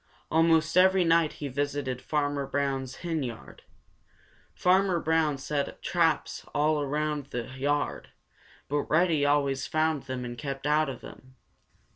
Almost every night he visited Farmer Brown's henyard. Farmer Brown set traps all around the yard, but Reddy always found them and kept out of them.